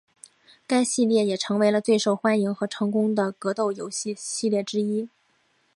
该系列也成为了最受欢迎和成功的格斗游戏系列之一。